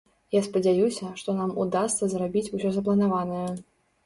Я спадзяюся, што нам удасца зрабіць усё запланаванае.